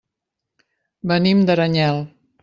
Venim d'Aranyel.